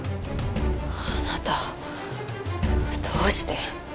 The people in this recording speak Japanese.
あなたどうして？